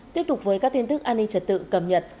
tiếp tục với các tin tức an ninh trật tự cập nhật